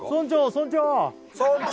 村長！